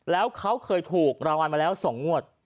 แล้วเขาเคยถูกรางวัลมาแล้ว๒งวด